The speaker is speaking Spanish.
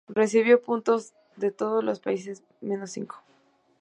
Recibió puntos de todos los países menos cinco.